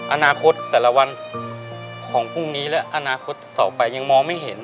อนาคตแต่ละวันของพรุ่งนี้และอนาคตต่อไปยังมองไม่เห็น